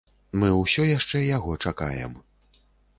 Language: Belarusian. Мы ўсё яшчэ яго чакаем.